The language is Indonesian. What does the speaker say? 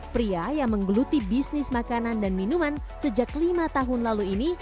pria yang menggeluti bisnis makanan dan minuman sejak lima tahun lalu ini